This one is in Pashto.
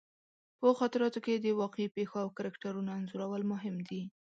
په خاطراتو کې د واقعي پېښو او کرکټرونو انځورول مهم دي.